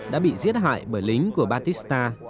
đã bị giết hại bởi lính của batista